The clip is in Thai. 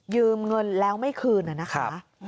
ยืมเงินแล้วไม่คืนอะนะคะ